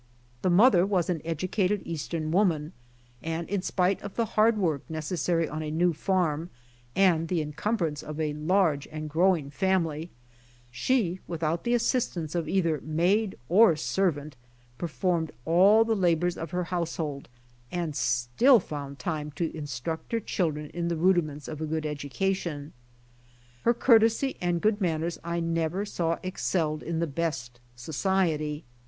The. mother was an educated eastern woman, and in spite of the hard work necessary on a new farm and the encumbrance of a large and growing family, she, without the assistance of either maid or servant performed all the labors of her household, and still found time to instruct her children in the rudi mjents of a good education. Her courtesy and good manners I never saw excelled in the best society.